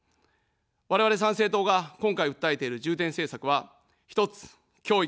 我々、参政党が今回訴えている重点政策は、１つ、教育。